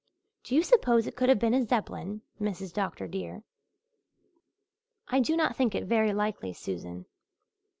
Do you suppose it could have been a Zeppelin, Mrs. Dr. dear?" "I do not think it very likely, Susan."